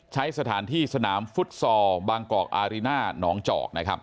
ใช้สถานที่สนามฟุตซอลบางกอกอาริน่าหนองจอกนะครับ